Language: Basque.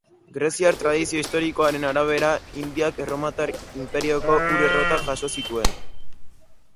Greziar tradizio historikoaren arabera, Indiak Erromatar Inperioko ur-errotak jaso zituen.